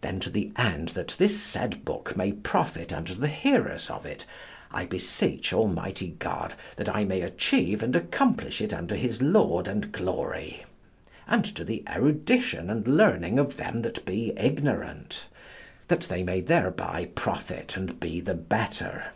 Then to the end that this said book may profit unto the hearers of it, I beseech Almighty God that I may achieve and accomplish it unto his laud and glory, and to the erudition and learning of them that be ignorant, that they may thereby profit and be the better.